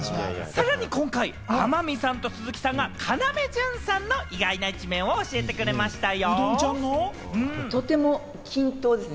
さらに今回、天海さんと鈴木さんが要潤さんの意外な一面を教えてくれましたよ。